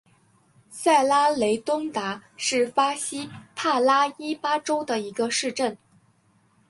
塞拉雷东达是巴西帕拉伊巴州的一个市镇。